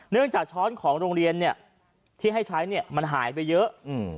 จากช้อนของโรงเรียนเนี่ยที่ให้ใช้เนี่ยมันหายไปเยอะ